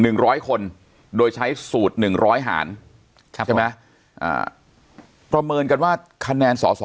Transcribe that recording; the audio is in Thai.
ร้อยคนโดยใช้สูตรหนึ่งร้อยหารครับใช่ไหมอ่าประเมินกันว่าคะแนนสอสอ